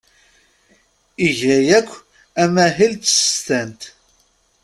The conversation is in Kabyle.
Iga yakk amahil d tsestant.